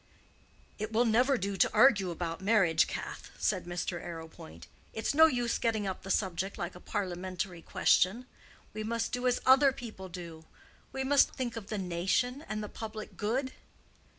"It will never do to argue about marriage, Cath," said Mr. Arrowpoint. "It's no use getting up the subject like a parliamentary question. We must do as other people do. We must think of the nation and the public good."